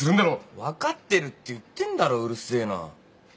分かってるって言ってんだろうるせえな。